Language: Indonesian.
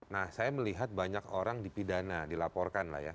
nah saya melihat banyak orang dipidana dilaporkan lah ya